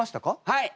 はい。